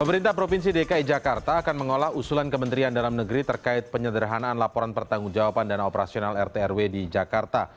pemerintah provinsi dki jakarta akan mengolah usulan kementerian dalam negeri terkait penyederhanaan laporan pertanggung jawaban dana operasional rtrw di jakarta